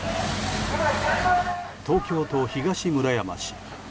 東京都東村山市。